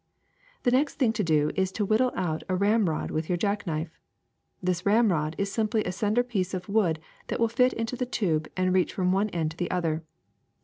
The next thing to do is to whittle out a ramrod with your jack knife. This ramrod is simply a slender piece of wood that will fit into the tube and reach from one end to the other.